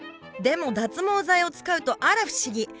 でも脱毛剤を使うとあら不思議。